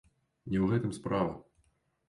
Не ў гэтым справа.